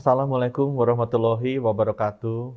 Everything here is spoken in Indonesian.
assalamu'alaikum warahmatullahi wabarakatuh